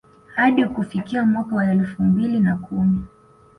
Hadi kufikia mwaka wa elfu mbili na kumi